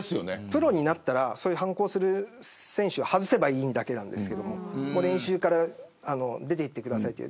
プロになったら反抗する選手は外せばいいだけなんですけれど練習から出ていってくださいと。